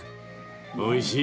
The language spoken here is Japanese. おいしい。